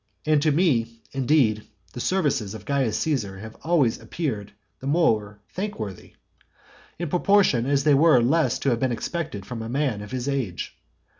And to me, indeed, the services of Caius Caesar have always appeared the more thankworthy, in proportion as they were less to have been expected from a man of his age.